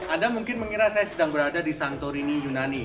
anda mungkin mengira saya sedang berada di santorini yunani